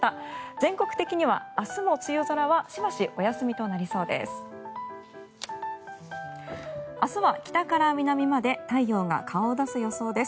全国的に明日も梅雨空はしばしお休みとなりそうです。